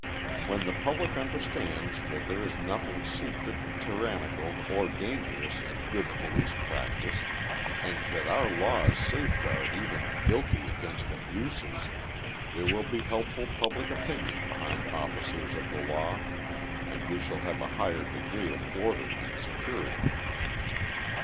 When the public understands that there is nothing secret, tyrannical or dangerous in good police practice, and that our laws safeguard even the guilty against abuses, there will be helpful public opinion behind officers of the law, and we shall have a higher degree of order and security.